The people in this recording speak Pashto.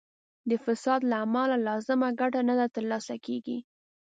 د فساد له امله لازمه ګټه نه تر لاسه کیږي.